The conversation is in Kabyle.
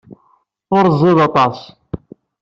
Ur ẓid aṭas.